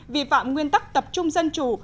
vi phạm nguyên tắc tập trung dân chủ